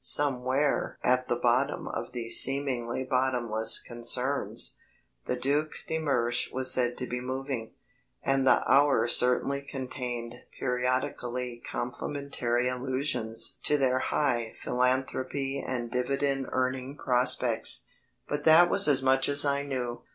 Somewhere at the bottom of these seemingly bottomless concerns, the Duc de Mersch was said to be moving, and the Hour certainly contained periodically complimentary allusions to their higher philanthropy and dividend earning prospects. But that was as much as I knew.